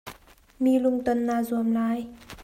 Mi lungton naa zuam lai.